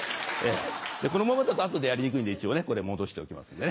このままだと後でやりにくいんで一応これ戻しておきますんでね。